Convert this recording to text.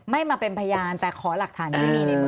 ไม่มาเป็นพยานแต่ขอหลักฐานที่มีในมือ